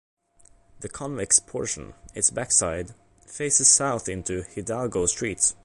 The convex portion, its backside, faces south onto Hidalgo Street.